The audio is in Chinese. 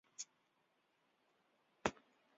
他是我的好朋友，我们已经认识十多年了。